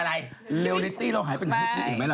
เรียลิตตี้เห็นไหมล่ะ